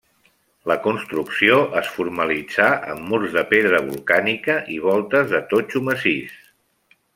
La construcció es formalitzà amb murs de pedra volcànica i voltes de totxo massís.